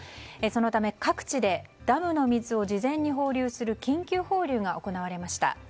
そのため各地でダムの水を事前に放流する緊急放流が行われました。